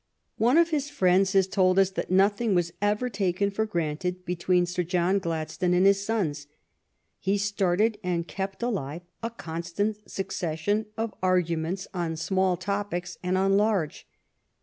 One of his friends has told us that nothing was ever taken for granted between Sir John Gladstone and his sons. He started and kept alive a constant succession of arguments on small topics and on large.